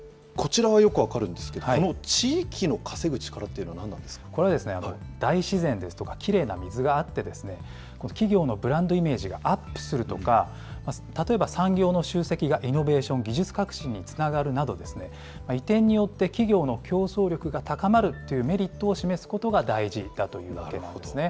こちらはよく分かるんですけれども、この地域の稼ぐ力っていこれは大自然ですとか、きれいな水があって、企業のブランドイメージがアップするとか、例えば産業の集積がイノベーション・技術革新につながるなど、移転によって企業の競争力が高まるというメリットを示すことが大事だというわけなんですね。